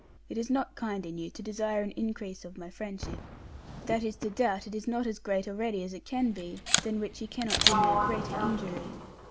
It is not kind in you to desire an increase of my friendship; that is to doubt it is not as great already as it can be, than which you cannot do me a greater injury.